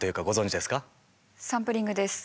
サンプリングです。